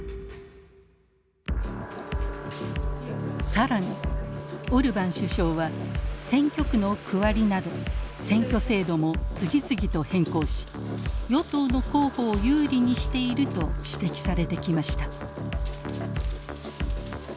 更にオルバン首相は選挙区の区割りなど選挙制度も次々と変更し与党の候補を有利にしていると指摘されてきました。